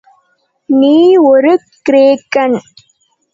நீ ஒரு கிரேக்கன்.